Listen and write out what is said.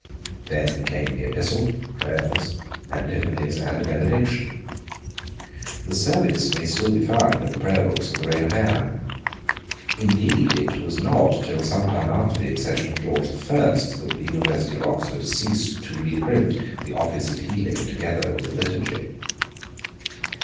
Then came the epistle, prayers, antiphonies and a benediction. The service may still be found in the prayer books of the reign of Anne. Indeed it was not till some time after the accession of George the First that the University of Oxford ceased to reprint the Office of Healing together with the Liturgy.